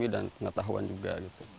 dan pengetahuan juga gitu